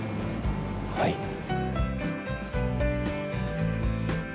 はい。